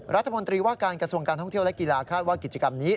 รัฐมนตรีว่าการกระทรวงการท่องเที่ยวและกีฬาคาดว่ากิจกรรมนี้